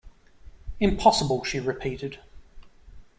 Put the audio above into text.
"Impossible," she repeated.